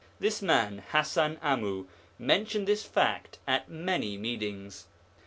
1 This man, Hasan Amu, mentioned this fact at many meetings.